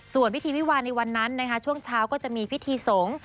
ส่วนพิธีวิวาลในวันนั้นนะคะช่วงเช้าก็จะมีพิธีสงฆ์